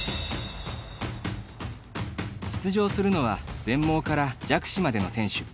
出場するのは全盲から弱視までの選手。